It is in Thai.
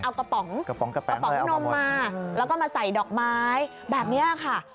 เอากระป๋องนมมาแล้วก็มาใส่ดอกไม้แบบนี้ค่ะ